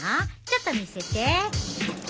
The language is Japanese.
ちょっと見せて。